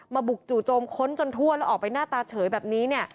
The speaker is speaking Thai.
บุกจู่โจมค้นจนทั่วแล้วออกไปหน้าตาเฉยแบบนี้เนี่ย